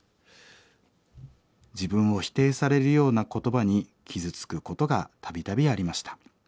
自分を否定されるような言葉に傷つくことが度々ありました。